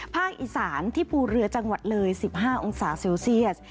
อีสานที่ภูเรือจังหวัดเลย๑๕องศาเซลเซียส